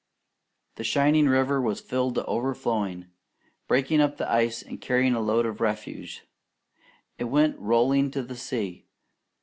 The shining river was filled to overflowing; breaking up the ice and carrying a load of refuse, it went rolling to the sea.